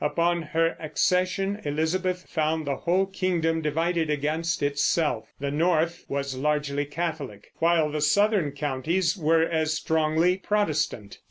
Upon her accession Elizabeth found the whole kingdom divided against itself; the North was largely Catholic, while the southern counties were as strongly Protestant.